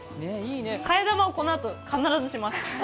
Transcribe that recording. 替え玉をこのあと必ずします。